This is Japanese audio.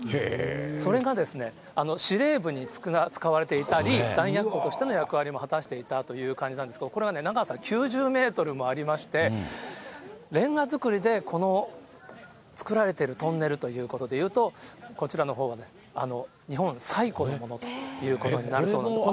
それが司令部に使われていたり、弾薬庫としての役割も果たしていたという感じなんですが、これが長さ９０メートルもありまして、レンガ造りでこの作られてるトンネルということでいうと、こちらのほうが日本最古のものということになるそうです。